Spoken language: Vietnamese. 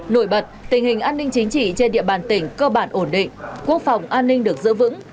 nổi bật tình hình an ninh chính trị trên địa bàn tỉnh cơ bản ổn định quốc phòng an ninh được giữ vững